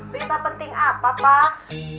berita penting apa pak